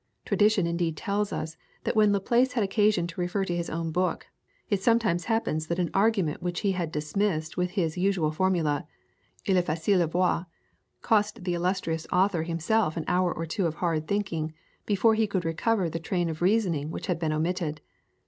Tradition indeed tells us that when Laplace had occasion to refer to his own book, it sometimes happened that an argument which he had dismissed with his usual formula, "Il est facile a voir," cost the illustrious author himself an hour or two of hard thinking before he could recover the train of reasoning which had been omitted.